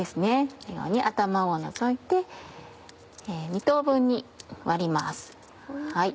このように頭を除いて２等分に割ります。